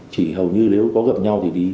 chỉ hầu như nếu có gặp nhau thì đi